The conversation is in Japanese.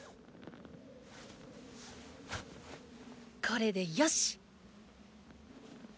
これでよし！